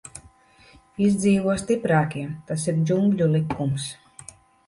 Izdzīvo stiprākie, tas ir džungļu likums.